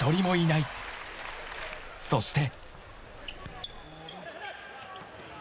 ［そして］